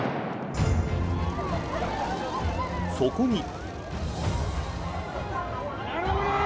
そこに。